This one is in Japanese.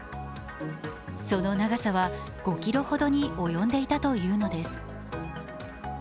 その長さは５ｋｍほどに及んでいたというのです。